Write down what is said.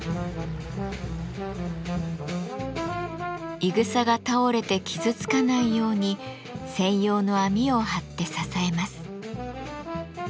いぐさが倒れて傷つかないように専用の網を張って支えます。